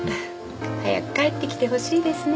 早く帰ってきてほしいですね。